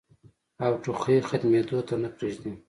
او ټوخی ختمېدو ته نۀ پرېږدي